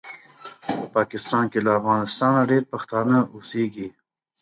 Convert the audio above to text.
په پاکستان کې له افغانستانه ډېر پښتانه اوسیږي